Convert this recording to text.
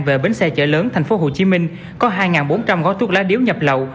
về bến xe chợ lớn tp hcm có hai bốn trăm linh gói thuốc lá điếu nhập lậu